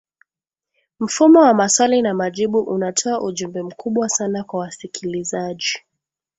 mfumo wa maswali na majibu unatoa ujumbe mkubwa sana kwa wasikilizaji